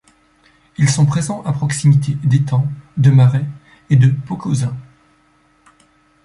Ils sont présents à proximité d'étangs, de marais et de pocosins.